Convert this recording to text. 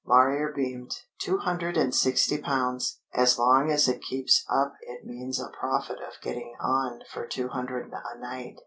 Marrier beamed. "Two hundred and sixty pounds. As long as it keeps up it means a profit of getting on for two hundred a naight!"